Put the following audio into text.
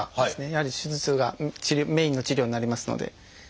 やはり手術がメインの治療になりますので。